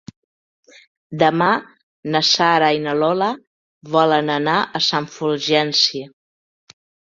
Demà na Sara i na Lola volen anar a Sant Fulgenci.